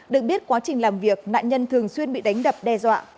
được biết quá trình làm việc nạn nhân thường xuyên bị đánh đập đe dọa